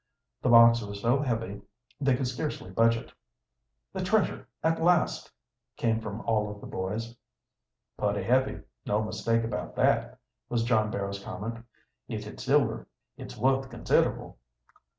The box was so heavy they could scarcely budge it. "The treasure at last!" came from all of the boys. "Putty heavy, no mistake about that," was John Barrow's comment. "If it's silver it's wuth considerable!"